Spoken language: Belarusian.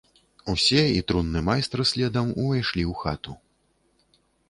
Усе, і трунны майстар следам, увайшлі ў хату.